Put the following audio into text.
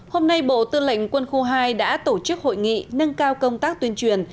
hôm nay bộ tư lệnh quân khu hai đã tổ chức hội nghị nâng cao công tác tuyên truyền